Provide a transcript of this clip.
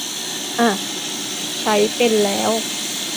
อ่ะ ใช้เป็นแล้ว